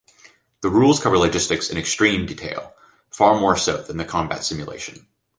The rules cover logistics in extreme detail, far more so than the combat simulation.